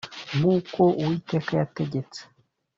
nk uko uwiteka yategetse